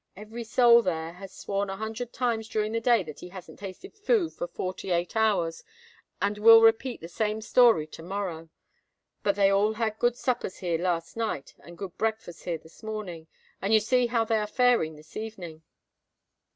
Every soul there has sworn a hundred times during the day that he hasn't tasted food for forty eight hours, and will repeat the same story to morrow. But they all had good suppers here last night, and good breakfasts here this morning; and you see how they are faring this evening."